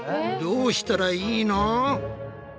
どうしたらいいの？